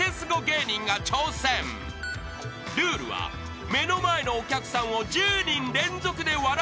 ［ルールは目の前のお客さんを１０人連続で笑わせる］